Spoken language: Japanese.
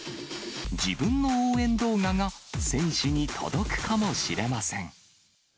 自分の応援動画が選手に届くかもしれません。